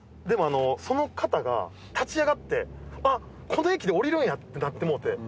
でもその方が立ち上がってこの駅で降りるんやってなってもうて。